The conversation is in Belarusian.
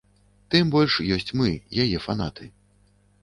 Тым больш ёсць мы, яе фанаты.